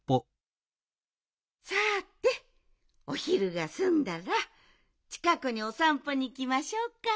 さておひるがすんだらちかくにおさんぽにいきましょうか。